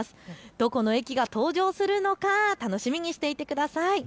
どこの駅が登場するのか楽しみにしていてください。